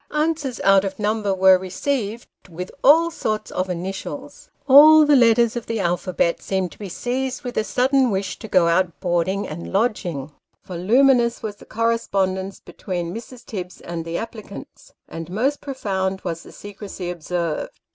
Answers out of number were received, with all sorts of initials ; all the letters of the alphabet seemed to be seized with a sudden wish to go out boarding and lodging ; voluminous was the correspondence between Mrs. Tibbs and the applicants ; and most profound was the secrecy observed.